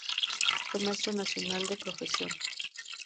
Fue maestro nacional de profesión.